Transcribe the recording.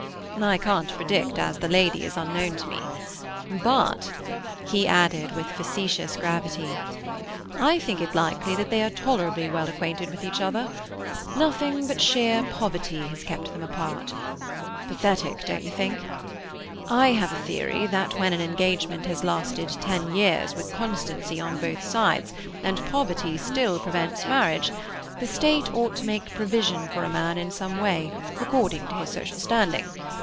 "I can't predict, as the lady is unknown to me. But," he added with facetious gravity, "I think it likely that they are tolerably well acquainted with each other. Nothing but sheer poverty has kept them apart. Pathetic, don't you think? I have a theory that when an engagement has lasted ten years, with constancy on both sides, and poverty still prevents marriage, the State ought to make provision for a man in some way, according to his social standing.